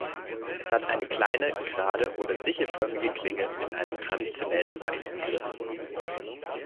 Es hat eine kleine, gerade oder sichelförmige Klinge mit einem traditionell weißen Griff.